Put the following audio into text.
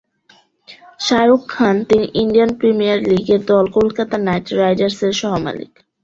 শাহরুখ খানের তিনি Indian Premier League এর দল কলকাতা নাইট রাইডার্সের সহ-মালিক।